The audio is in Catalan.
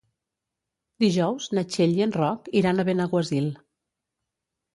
Dijous na Txell i en Roc iran a Benaguasil.